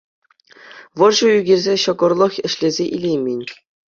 Вӑрҫӑ ӳкерсе ҫӑкӑрлӑх ӗҫлесе илеймен